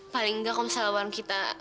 paling gak kalau misalnya warung kita